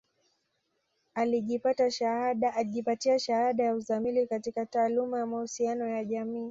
Alijipatia shahada ya uzamili katika taaluma ya mahusiano ya jamii